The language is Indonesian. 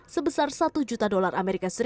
sebesar satu juta dolar as